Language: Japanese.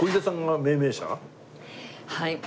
はい。